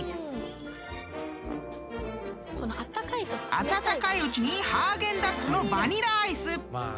［温かいうちにハーゲンダッツのバニラアイス］